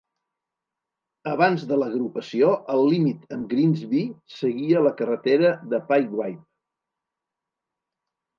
Abans de l'agrupació, el límit amb Grimsby seguia la carretera de Pyewipe.